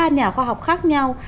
ba nhà khoa học khác nhau